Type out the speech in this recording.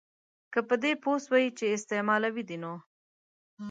که په دې پوه سوې چي استعمالوي دي نو